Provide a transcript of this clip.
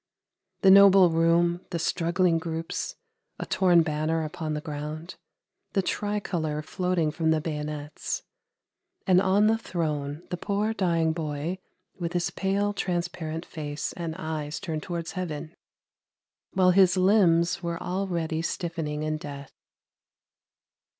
The noble room, the struggling groups, a torn banner upon the ground, the tricolour floating from the bayonets; and on the throne the poor dying boy with his pale transparent face and eyes turned towards heaven, while his limbs were already stiffen ing in death.